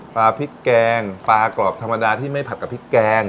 พริกแกงปลากรอบธรรมดาที่ไม่ผัดกับพริกแกง